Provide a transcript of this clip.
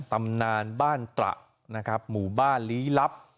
ตำนานบ้านตระนะครับหมู่บ้านลี้ลับ